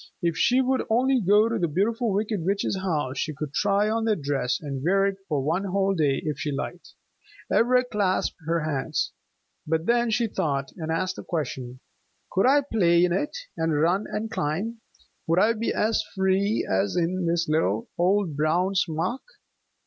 If she would only go to the Beautiful Wicked Witch's house, she could try on that dress, and wear it for one whole day if she liked. Ivra clasped her hands. But then she thought, and asked a question. "Could I play in it, and run and climb? Would I be as free as in this little old brown smock?"